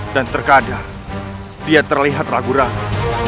dan terkadang dia terlihat ragu ragu